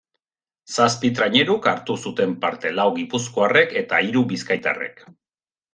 Zazpi traineruk hartu zuten parte, lau gipuzkoarrek eta hiru bizkaitarrek.